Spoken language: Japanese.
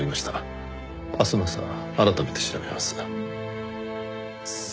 「明日の朝改めて調べます」。